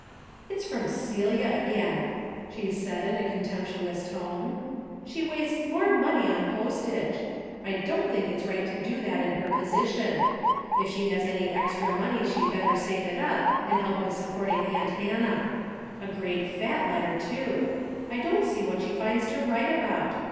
" It's from Celia again," she said, in a con temptuous tone. " She wastes more money on postage. I don't think it's right to do that in her position. If she has any extra money she better save it up and help with supporting aunt Hannah. A great fat letter, too. I don't see what she finds to write about.